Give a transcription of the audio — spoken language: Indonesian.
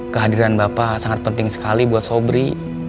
kehadiran bapak sangat penting sekali buat sobri